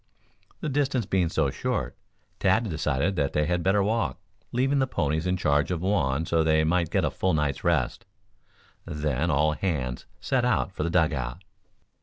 The distance being so short, Tad decided that they had better walk, leaving the ponies in charge of Juan so they might get a full night's rest. Then all hands set out for the dug out.